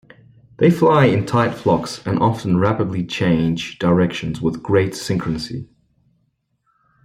They fly in tight flocks and often rapidly change directions with great synchrony.